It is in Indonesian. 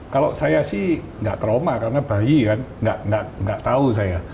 kalau saya sih tidak trauma karena bayi kan nggak tahu saya